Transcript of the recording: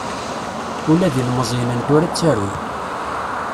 Ula d ilmeẓyen n tura ttarun.